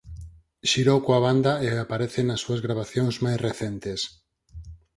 Xirou coa banda e aparece nas súas gravacións máis recentes.